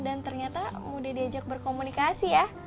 dan ternyata mudah diajak berkomunikasi ya